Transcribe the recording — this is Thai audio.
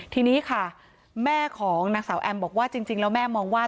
ทีนี้ค่ะแม่ของนางสาวแอมบอกว่าจริงแล้วแม่มองว่า